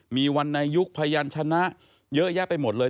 มีวันในยุคพยานชนะเยอะแยะไปหมดเลย